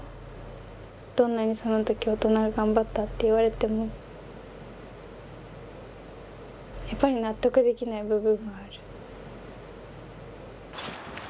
どんなにそのとき大人が頑張ったって言われてもやっぱり納得できない部分もある。